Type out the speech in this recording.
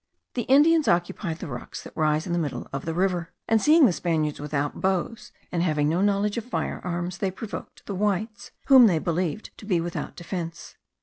The Indians occupied the rocks that rise in the middle of the river, and seeing the Spaniards without bows, and having no knowledge of firearms, they provoked the whites, whom they believed to be without defence.